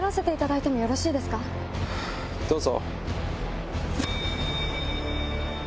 どうぞ。